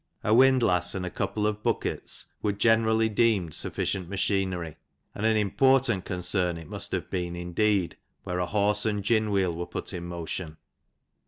a windlass and a couple of buckets would generally deemed sufficient machinery ; and an important c cern it must have been indeed, where a horse an( gin wheel were put in motion.